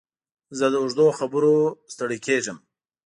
زه د اوږدو خبرو نه ستړی کېږم.